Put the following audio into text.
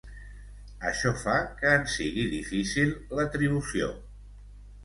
Això fa que en sigui difícil l'atribució.